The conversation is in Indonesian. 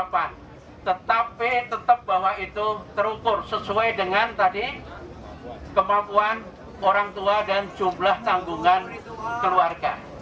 mahasiswa menilai ukt tahun ini sangat memberatkan